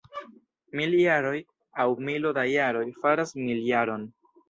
Mil jaroj, aŭ milo da jaroj, faras miljaron.